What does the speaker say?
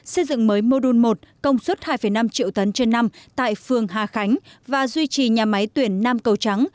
xây dựng mới mô đun một công suất hai năm triệu tấn trên năm tại phường hà khánh và duy trì nhà máy tuyển nam cầu trắng